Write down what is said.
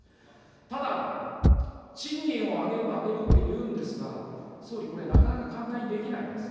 ただ、賃金を上げる上げるって言うんですが、総理、これ、なかなか簡単にできないんです。